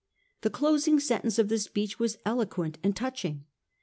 The closing sentence of the speech was eloquent and touching.